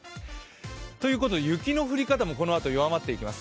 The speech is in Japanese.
ということで雪の降り方もこのあと弱まっていきます。